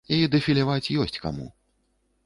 І дэфіляваць ёсць каму.